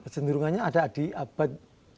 jendrungannya ada di abad tujuh belas